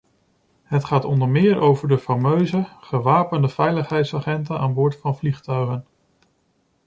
Het gaat onder meer over de fameuze , gewapende veiligheidsagenten aan boord van vliegtuigen.